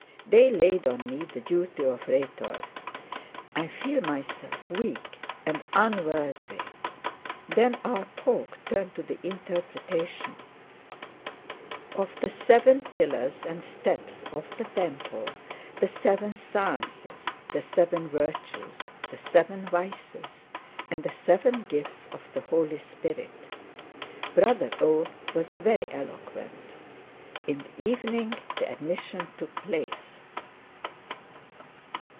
They laid on me the duty of Rhetor. I feel myself weak and unworthy. Then our talk turned to the interpretation of the seven pillars and steps of the Temple, the seven sciences, the seven virtues, the seven vices, and the seven gifts of the Holy Spirit. Brother O. was very eloquent. In the evening the admission took place.